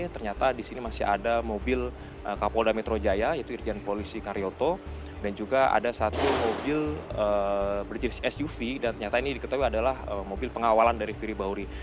ternyata di sini masih ada mobil kapolda metro jaya yaitu irjen polisi karyoto dan juga ada satu mobil berjenis suv dan ternyata ini diketahui adalah mobil pengawalan dari firly bauri